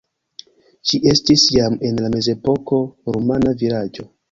Ĝi estis jam en la mezepoko rumana vilaĝo.